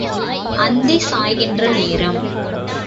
அந்தி சாய்கின்ற நேரம்.